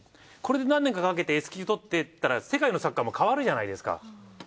これで何年かかけてＳ級取ってっていったら世界のサッカーも変わるじゃないですか。